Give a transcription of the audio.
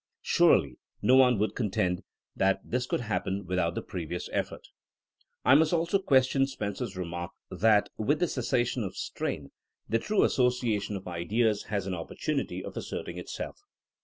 Surely no one would contend that this could happen without the previous ef fort I I must also question Spencer's remark that with the cessation of strain the true associa tion of ideas has an opportunity of asserting it self.